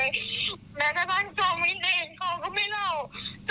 แม้ถ้าท่านโจมิ้นเองเขาก็ไม่เล่าตัวบาสเองบาสก็ไม่เคยบอกอะไรหนูเลย